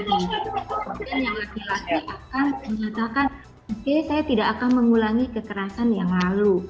kemudian yang laki laki akan menyatakan oke saya tidak akan mengulangi kekerasan yang lalu